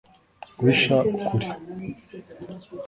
Guhisha ukuri